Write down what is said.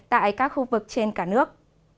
tại các khu vực trên cả nước